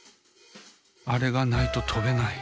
あれがないととべない。